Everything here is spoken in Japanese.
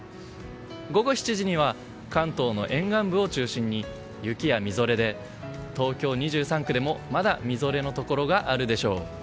午後７時には関東の沿岸部を中心に雪やみぞれで東京２３区でも、まだみぞれのところがあるでしょう。